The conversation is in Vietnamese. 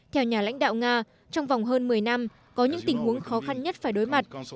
theo nhà lãnh đạo nga trong vòng hơn một mươi năm có những tình huống khó khăn nhất phải đối mặt